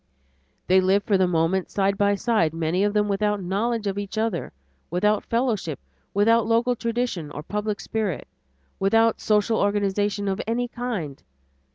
They live for the moment side by side, many of them without knowledge of each other, without fellowship, without local tradition or public spirit, without social organization of any kind.